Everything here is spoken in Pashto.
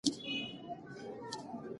هو، په ژوند کې ټولنیز واقعیت مهم دی.